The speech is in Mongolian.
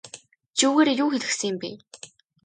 Чи үүгээрээ юу хэлэх гэсэн юм бэ?